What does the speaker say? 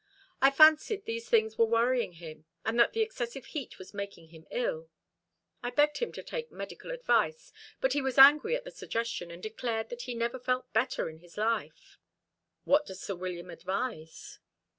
I fancied these things were worrying him, and that the excessive heat was making him ill. I begged him to take medical advice; but he was angry at the suggestion, and declared that he never felt better in his life." "What does Sir William advise?"